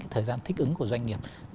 thời gian thích ứng của doanh nghiệp